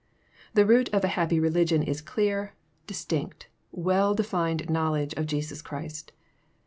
The root of a happy religion is clear, distinct, well defined knowl edge of Jesus Christ.